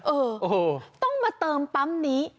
เออต้องมาเติมปั๊มนี้